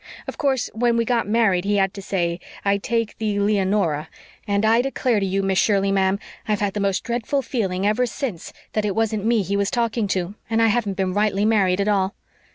Of course, when we got married he had to say, 'I take thee, Leonora,' and I declare to you, Miss Shirley, ma'am, I've had the most dreadful feeling ever since that it wasn't me he was talking to and I haven't been rightly married at all.